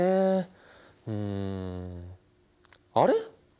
うんあれ？